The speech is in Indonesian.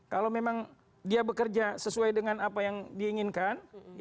kalau memang dia bekerja sesuai dengan apa yang diinginkan